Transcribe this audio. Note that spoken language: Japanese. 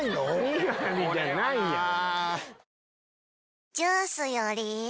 ２割じゃないやん！